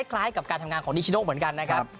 คล้ายกับการทำงานของนิชโน่เหมือนกันนะครับ